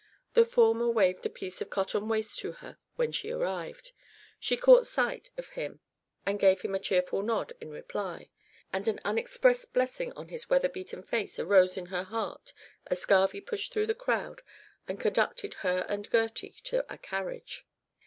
The former waved a piece of cotton waste to her when she arrived; she caught sight of him and gave him a cheerful nod in reply; and an unexpressed blessing on his weather beaten face arose in her heart as Garvie pushed through the crowd and conducted her and Gertie to a carriage.